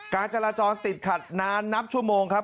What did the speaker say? การจราจรติดขัดนานนับชั่วโมงครับ